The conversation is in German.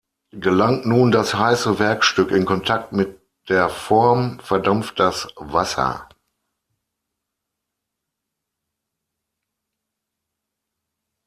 Gelangt nun das heiße Werkstück in Kontakt mit der Form, verdampft das Wasser.